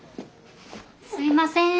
すいません。